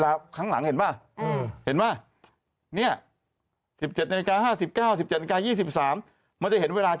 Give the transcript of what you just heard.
อ้าวผมไม่อีกแล้ว